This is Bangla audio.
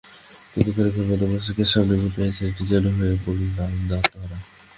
কিন্তু খানিক বাদেই মেসিকে সামনে পেয়ে ছেলেটি যেন হয়ে পড়লেন আনন্দে আত্মহারা।